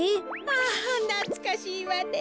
あなつかしいわね。